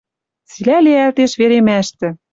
Цилӓ лиӓлтеш веремӓштӹ —